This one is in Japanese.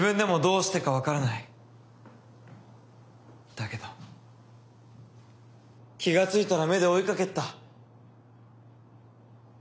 だけど気が付いたら目で追いかけてた。